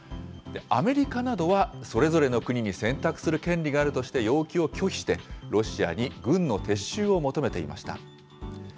アメリカなどは、それぞれの国に選択する権利があるとして、要求を拒否して、ロシアに軍の撤収を求めていました。